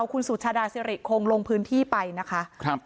คุณสุชาดาสิริคงลงพื้นที่ไปนะคะครับ